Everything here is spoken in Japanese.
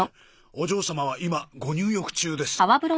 お嬢様は今ご入浴中です。